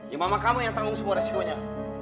ya mama kamu yang tanggung semua resikonya